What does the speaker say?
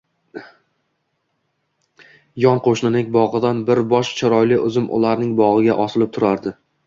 Yon qo'shnining bog'idan bir bosh chiroyli uzum ularning bog'iga osilib turardi.